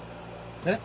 えっ？